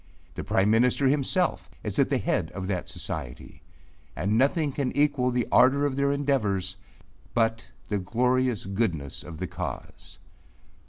The prime minister himself is at the head of that society; and nothing can equal the ardour of their endeavours, but the glorious goodness of the cause.